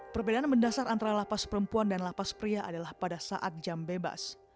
perbedaan mendasar antara lapas perempuan dan lapas pria adalah pada saat jam bebas